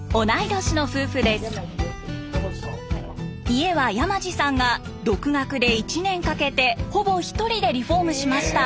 家は山地さんが独学で１年かけてほぼ一人でリフォームしました。